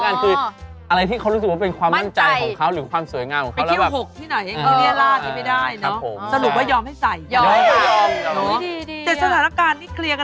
กันคืออะไรที่เขารู้สึกว่าเป็นความมั่นใจของเขาหรือความสวยงามของเขา